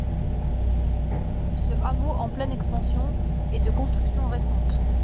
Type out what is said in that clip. Ce hameau en pleine expansion est de construction récente.